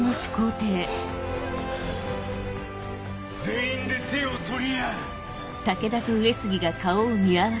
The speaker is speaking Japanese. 全員で手を取り合う！